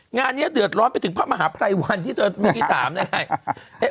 งานนี้เดือดร้อนไปถึงพระมหาภัยวันที่เธอมีที่๓นั่นไง